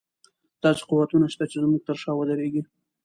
داسې قوتونه شته چې زموږ تر شا ودرېږي.